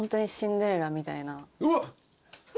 うわっ！